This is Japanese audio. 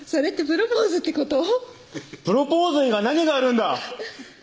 「プロポーズ以外何があるんだ！」